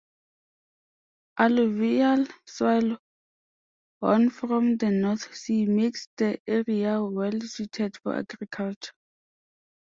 Alluvial soil won from the North Sea makes the area well-suited for agriculture.